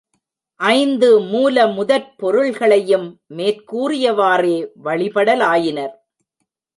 ஐந்து மூல முதற் பொருள்களையும் மேற்கூறியவாறே வழிபடலாயினர்.